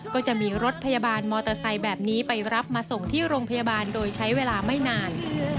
ก็จะมีรถพยาบาลมอเตอร์ไซค์แบบนี้ไปรับมาส่งที่โรงพยาบาลโดยใช้เวลาไม่นาน